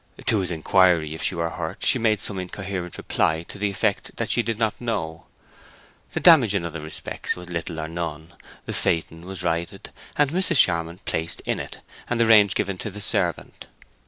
To his inquiry if she were hurt she made some incoherent reply to the effect that she did not know. The damage in other respects was little or none: the phaeton was righted, Mrs. Charmond placed in it, and the reins given to the servant.